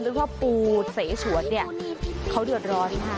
เรียกว่าปูเสฉวดเนี่ยเขาเดือดร้อนค่ะ